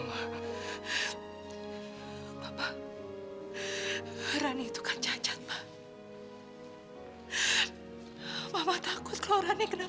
tapi tolong jangan emosi rani tante